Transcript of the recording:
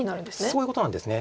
そういうことなんです。